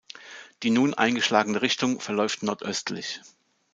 Die nun eingeschlagene Richtung verläuft nordöstlich.